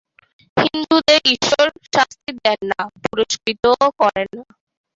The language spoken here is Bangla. হিন্দুদের ঈশ্বর শাস্তি দেন না, পুরস্কৃতও করেন না।